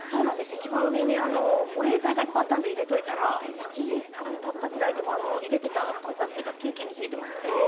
いちばん上に保冷剤がいっぱいあったので入れておいたら７時間たったぐらいでも入れておいた炭酸水がキンキンに冷えていました。